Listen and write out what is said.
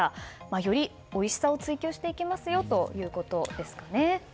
よりおいしさを追求していきますよということですかね。